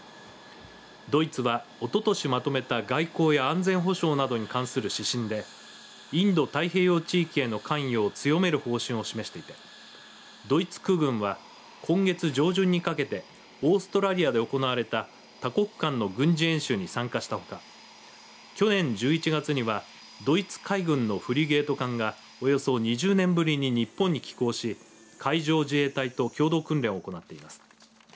ドイツは、おととしまとめた外交や安全保障などに関する指針でインド太平洋地域への関与を強める方針を示していてドイツ空軍は、今月上旬にかけてオーストラリアで行われた多国間の軍事演習に参加したほか去年１１月には、ドイツ海軍のフリゲート艦がおよそ２０年ぶりに日本に寄港し海上自衛隊と共同訓練を行っています。